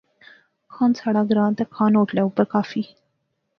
کھان ساڑھا گراں تے کھان ہوٹلے اوپر کافی